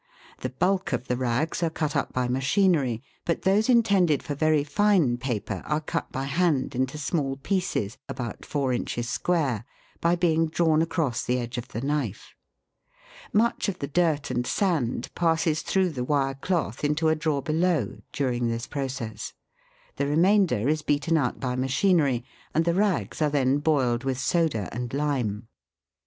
The bulk of the rags are cut up by machinery, but those intended for very fine paper are cut by hand into small pieces, about four inches square, by being drawn across the edge of the knife. Much of the dirt and sand passes through the wire cloth into a drawer below, during this process ; the remainder is beaten out by machinery, and the rags are then boiled with soda and lime.